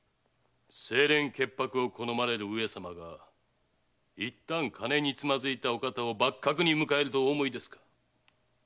清廉潔白を好まれる上様がいったん金につまづいたお方を幕閣に迎えるとお思いですか？